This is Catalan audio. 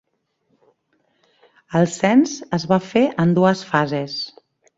El cens es va fer en dues fases.